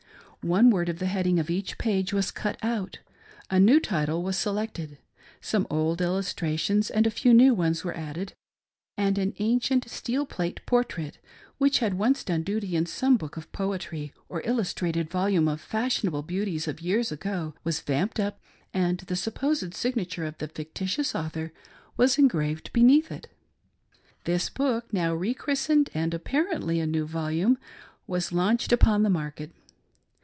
One word of the heading of each page was cut out, a new title was selected, some old illustrations and a few new ones were added, and an ancient steel plate por trait, which had once done duty in some book of poetry or illustrated volume of fashionable beauties of years ago, was vamped up, and the supposed signature of the fictitious author was engraved beneath it. This book, now re christened, and apparently a new volume, was launched upon the market.